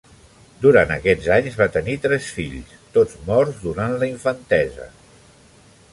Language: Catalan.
Durant aquests anys va tenir tres fills, tots morts durant la infantesa.